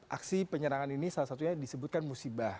aksi penyerangan ini salah satunya disebutkan musibah